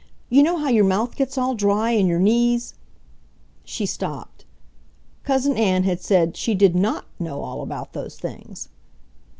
You know how your mouth gets all dry and your knees ..." She stopped. Cousin Ann had said she did NOT know all about those things.